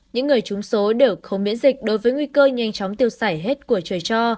những người chúng số đều không miễn dịch đối với nguy cơ nhanh chóng tiêu sảy hết của trời cho